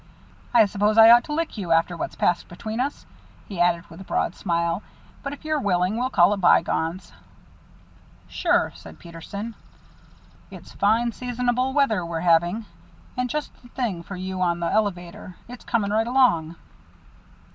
"I suppose I ought to lick you after what's passed between us," he added with a broad smile, "but if you're willing we'll call it bygones." "Sure," said Peterson. "It's fine seasonable weather we're having, and just the thing for you on the elevator. It's coming right along."